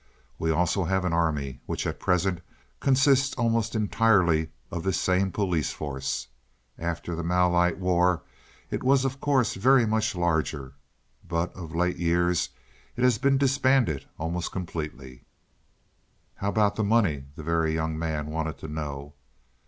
We also have an army, which at present consists almost entirely of this same police force. After the Malite war it was of course very much larger, but of late years it has been disbanded almost completely. "How about money?" the Very Young Man wanted to know.